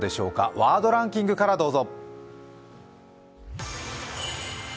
ワードランキングからどうぞ。